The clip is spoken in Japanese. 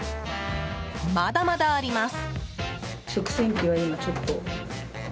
まだまだあります。